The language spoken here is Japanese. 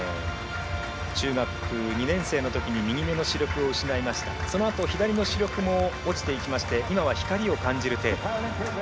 中学２年生のときに右目の視力を失ってそのあと左の視力も落ちていき今は光を感じる程度。